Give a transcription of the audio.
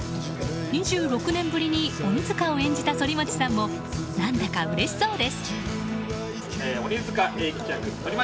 ２６年ぶりに鬼塚を演じた反町さんも何だか、うれしそうです。